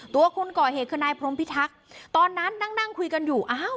ตัวคนก่อเหตุคือนายพรมพิทักษ์ตอนนั้นนั่งคุยกันอยู่